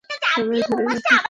সবাই ধরে রাখো।